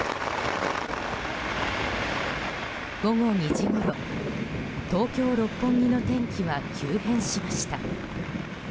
午後２時ごろ東京・六本木の天気は急変しました。